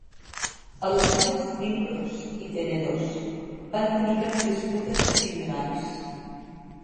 A les illes d'Imbros i Tenedos van tenir lloc disputes similars.